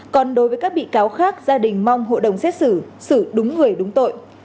còn đối với các bị cáo khác gia đình mong hội đồng xét xử xử đúng người đúng tội